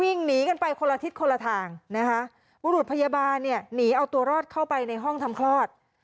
วิ่งหนีกันไปคนละทิศคนละทางนะคะบุรุษพยาบาลเนี่ยหนีเอาตัวรอดเข้าไปในห้องทำคลอด